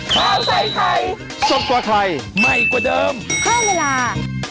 ข้าวใส่ไทยสดกว่าไทยใหม่กว่าเดิมเพิ่มเวลา